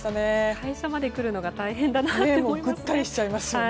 会社まで来るのが大変だなと思いますね。